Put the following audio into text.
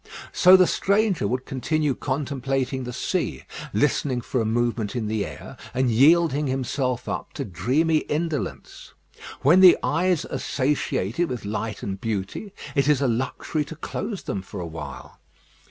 So the stranger would continue contemplating the sea, listening for a movement in the air, and yielding himself up to dreamy indolence. When the eyes are satiated with light and beauty, it is a luxury to close them for awhile.